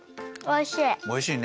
おいしい！